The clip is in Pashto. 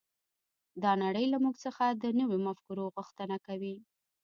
دا نړۍ له موږ څخه د نويو مفکورو غوښتنه کوي.